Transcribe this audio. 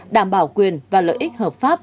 đảm bảo quyền và lợi ích hợp pháp